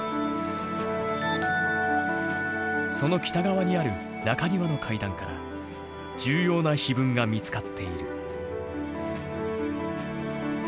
その北側にある中庭の階段から重要な碑文が見つかっている。